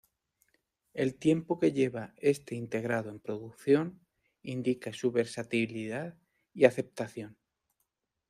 El tiempo que lleva este integrado en producción indica su versatilidad y aceptación.